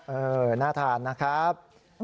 เออน่าทานนะครับ